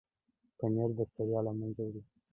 پنېر د ستړیا له منځه وړي.